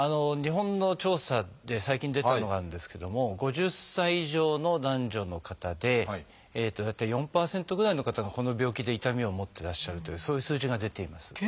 日本の調査で最近出たのがあるんですけども５０歳以上の男女の方で大体４％ぐらいの方がこの病気で痛みを持ってらっしゃるというそういう数字が出ています。